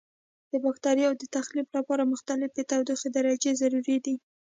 د بکټریاوو د تخریب لپاره مختلفې تودوخې درجې ضروري دي.